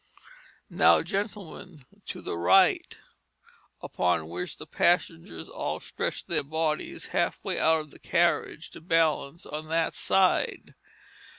'Now, gentlemen, to the right,' upon which the passengers all stretched their bodies half way out of the carriage to balance on that side.